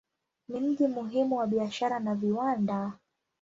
Ni mji muhimu wa biashara na viwanda.